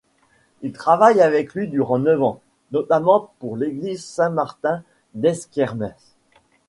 Il travaille avec lui durant neuf ans, notamment pour l’église Saint-Martin d'Esquermes.